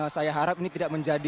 saya harap ini tidak menjadi